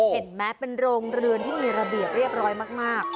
เห็นไหมเป็นโรงเรือนที่มีระเบียบเรียบร้อยมาก